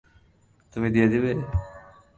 তুমি দিয়ে দেবে?